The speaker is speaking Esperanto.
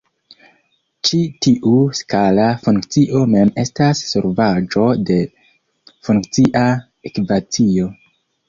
Ĉi tiu skala funkcio mem estas solvaĵo de funkcia ekvacio.